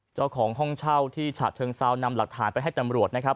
เจ้าของห้องเช่าที่ฉะเชิงเซานำหลักฐานไปให้ตำรวจนะครับ